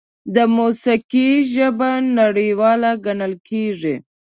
د موسیقۍ ژبه نړیواله ګڼل کېږي.